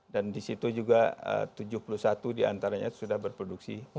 dan di situ juga tujuh puluh satu diantaranya sudah berproduksi